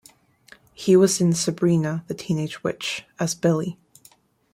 He was in "Sabrina the Teenage Witch" as Billy.